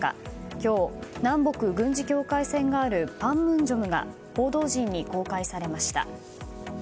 今日、南北軍事境界線があるパンムンジョムが報道陣に公開されました。